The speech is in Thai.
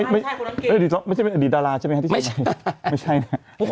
ไม่ไม่ใช่เป็นอดีตดาราใช่ไหมครับที่เชียงใหม่